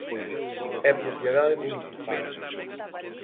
É propiedade municipal.